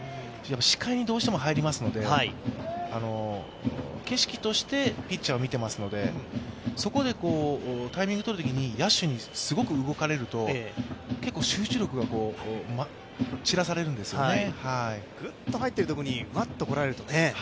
視界にどうしても入りますので景色としてピッチャーは見ていますので、そこでタイミングをとるときに、野手にすごく動かれると結構、集中力を散らされるんですよね。